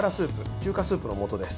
中華スープのもとです。